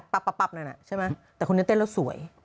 ภาพปัปนั้นอ่ะใช่ไหมแต่คนนี้เต้นแล้วสวย